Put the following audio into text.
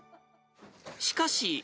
しかし。